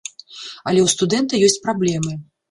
Але ў студэнта ёсць праблемы.